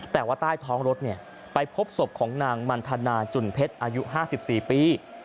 แต่ว่าใต้ท้องรถไปพบศพของนางมันธนาจุ่นเพชรอายุ๕๔ปี